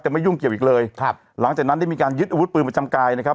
ไม่ยุ่งเกี่ยวอีกเลยครับหลังจากนั้นได้มีการยึดอาวุธปืนประจำกายนะครับ